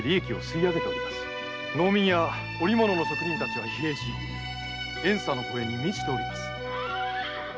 農民や織物の職人たちは疲弊し怨嗟の声に満ちております。